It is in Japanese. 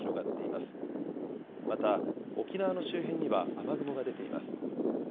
また沖縄の周辺には雨雲が出ています。